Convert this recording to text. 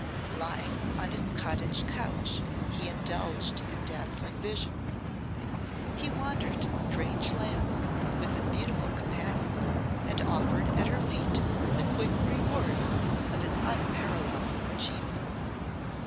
Lying on his cottage couch, he indulged in dazzling visions; he wandered in strange lands with his beautiful companion, and offered at her feet the quick rewards of his unparalleled achievements.